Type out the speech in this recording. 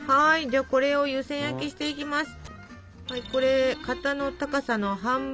じゃこれを湯せん焼きしていきます。